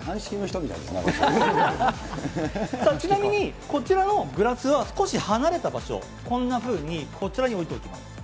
鑑識の人みたいですね、さあ、ちなみに、こちらのグラスは、少し離れた場所、こんなふうにこちらに置いておきます。